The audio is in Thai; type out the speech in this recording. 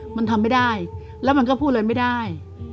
มันทำไม่ได้แล้วมันก็พูดอะไรไม่ได้